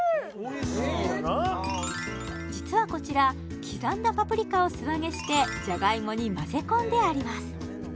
実はこちら刻んだパプリカを素揚げしてジャガイモにまぜ込んであります